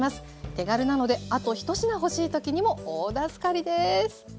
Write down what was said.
手軽なのであと１品欲しい時にも大助かりです。